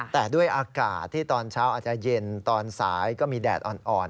แต่ด้วยอากาศที่ตอนเช้าอาจจะเย็นตอนสายก็มีแดดอ่อน